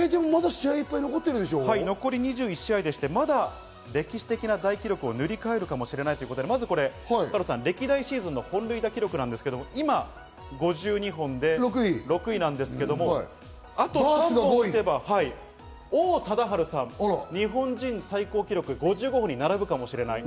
試合、まだいっぱい残ってる２１試合で歴史的大記録を塗り替えるかもしれないということで、歴代シーズンの本塁打記録なんですけれども今、５２本で６位なんですけど、あと３本打てば王貞治さんの日本人最高記録５５本に並ぶかもしれない。